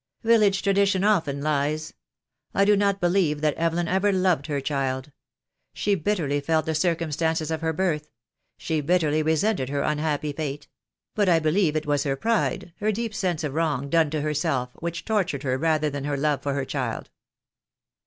"Village tradition often lies. I do not believe that Evelyn ever loved her child. She bitterly felt the cir cumstances of her birth — she bitterly resented her un happy fate; but I believe it was her pride, her deep sense of wrong done to herself, which tortured her rather than her love for her only child.